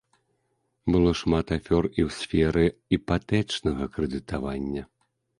Было шмат афёр і ў сферы іпатэчнага крэдытавання.